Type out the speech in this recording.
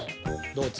どう？